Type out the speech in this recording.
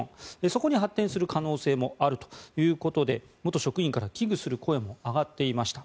そこに発展する可能性もあるということで元職員から危惧する声も上がっていました。